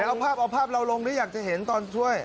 เอาภาพเอาภาพเราลงหรืออยากจะเห็นตอนช่วย